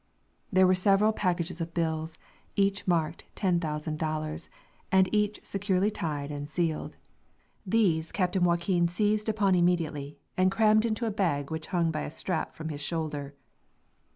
There were several packages of bills, each marked $10,000, and each securely tied and sealed. These Captain Joaquin seized upon immediately, and crammed into a bag which hung by a strap from his shoulder.